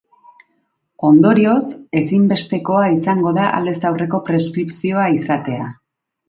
Ondorioz, ezinbestekoa izango da aldez aurreko preskripzioa izatea.